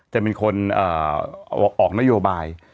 จะเป็นคนออกนโยบาย